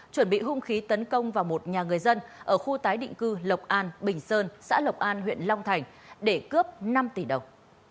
chuẩn bị hung khí tấn công vào một nhà người dân ở khu tái định cư lộc an bình sơn xã lộc an huyện long thành để cướp năm tỷ đồng